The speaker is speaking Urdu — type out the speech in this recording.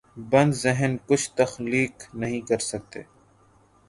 بند ذہن کچھ تخلیق نہیں کر سکتے۔